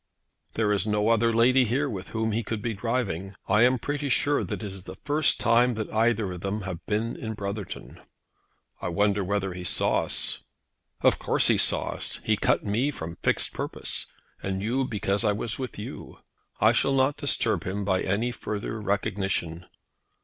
"There is no other lady here with whom he could be driving. I am pretty sure that it is the first time that either of them have been in Brotherton." "I wonder whether he saw us." "Of course he saw us. He cut me from fixed purpose, and you because I was with you. I shall not disturb him by any further recognition."